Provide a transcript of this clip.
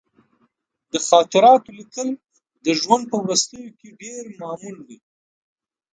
د خاطراتو لیکل د ژوند په وروستیو کې ډېر معمول دي.